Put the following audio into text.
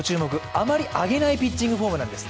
あまり上げないピッチングフォームなんです。